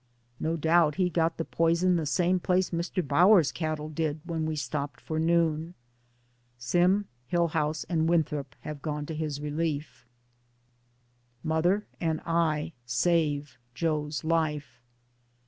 No doubt he got the poison the same place Mr. Bower's cattle did when we stopped for noon. Sim, Hillhouse and Winthrop have gone to his relief. DAYS ON THE ROAD. 245 MOTHER AND I SAVE JOE^S LIFE.